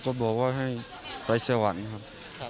ก็บอกว่าให้ไปสวรรค์ครับ